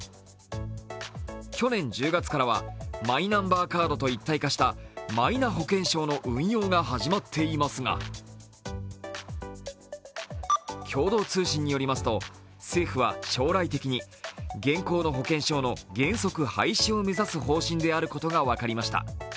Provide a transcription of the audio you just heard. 去年１０月からはマイナンバーカードと一体化したマイナ保険証の運用が始まっていますが、共同通信によりますと共同通信によりますと政府は将来的に現行の健康保険証の廃止を目指す方針であることが分かりました。